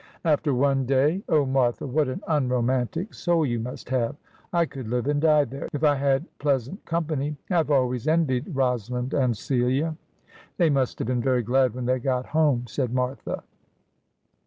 ' After one day ! Oh, Martha, what an unromantic soul you must have. I could live and die there, if I had pleasant com pany. I have always envied Kosalind and Celia.' ' They must have been very glad when they got home,' said Martha.